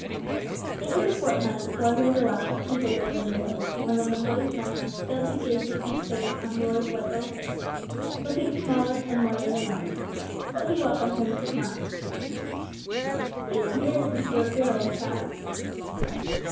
It was a fortnight before he was allowed to see the little invalid, and when the boys met, Dudley gazed with deep pity on Roy's white little face, looking smaller and whiter than ever. But he welcomed him with a smile. "It's years since you were here, old chap."